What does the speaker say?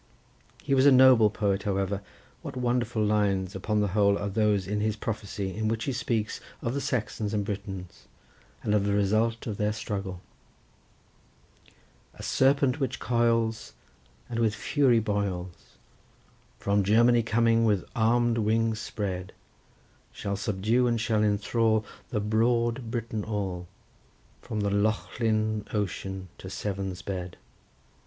He was a noble poet, however: what wonderful lines, upon the whole, are those in his prophecy, in which he speaks of the Saxons and Britons, and of the result of their struggle— "A serpent which coils, And with fury boils, From Germany coming with arm'd wings spread, Shall subdue and shall enthrall The broad Britain all, From the Lochlin ocean to Severn's bed.